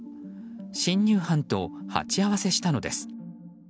侵入犯と鉢合わせしたのです。